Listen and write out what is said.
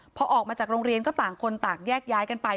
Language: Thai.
พอออกมาจากโรงเรียนก็ต่างคนต่างแยกย้ายกันไป